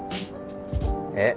えっ